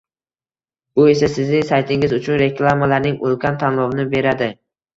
Bu esa Sizning saytingiz uchun reklamalarning ulkan tanlovini beradi